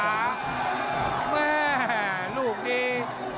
แม่ลูกนี้